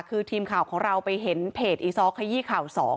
คือทีมข่าวของเราไปเห็นเพจอีซ้อขยี้ข่าว๒